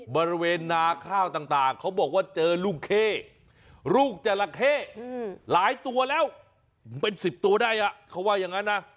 บริเวณนาข้าวต่างเขาบอกว่าเจอลูกเข้ลูกจราเข้หลายตัวแล้วเป็น๑๐ตัวได้เขาว่าอย่างนั้นนะ